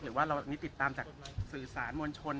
หรือว่าเรานี่ติดตามจากสื่อสารมวลชน